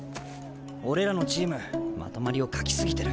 俺らのチームまとまりを欠き過ぎてる。